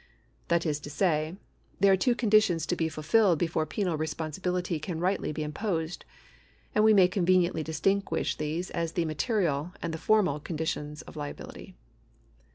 That is to say, there are two conditions to be fulfilled before penal responsibility can rightly be imposed, and we may convenientlydistinguish these as the material and the formal conditions of liability.